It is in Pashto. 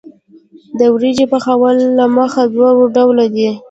وریجې د پخولو له مخې دوه ډوله دي.